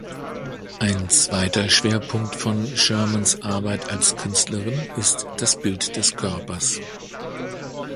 Ein zweiter Schwerpunkt von Shermans Arbeit als Künstlerin ist das Bild des Körpers.